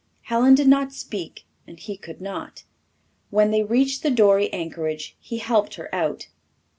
Helen did not speak and he could not. When they reached the dory anchorage he helped her out.